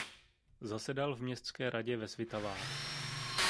Zasedal v městské radě ve Svitavách.